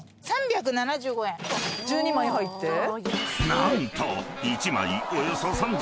［何と］